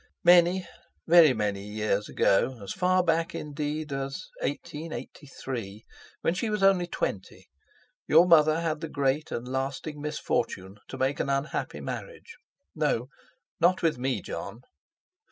Many, very many years ago, as far back indeed as 1883, when she was only twenty, your mother had the great and lasting misfortune to make an unhappy marriage—no, not with me, Jon.